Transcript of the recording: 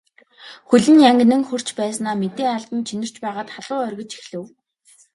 Хөл нь янгинан хөрч байснаа мэдээ алдан чинэрч байгаад халуу оргиж эхлэв.